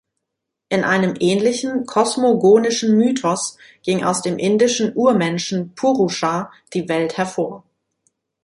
In einem ähnlichen kosmogonischen Mythos ging aus dem indischen Urmenschen Purusha die Welt hervor.